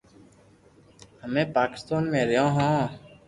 ھمي پاڪستان مي رھيو ھون